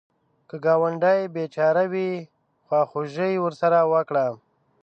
که ګاونډی بېچاره وي، خواخوږي ورسره وکړه